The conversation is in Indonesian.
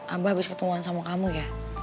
abah bisa ketemuan sama kamu ya